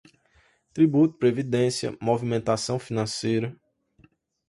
tributo, previdência, movimentação financeira